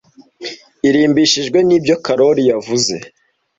irimbishijwe nibyo Karoli yavuze